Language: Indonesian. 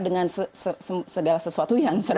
dan segala sesuatu yang serba bisa